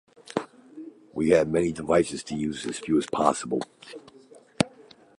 We had many devices to use as few as possible.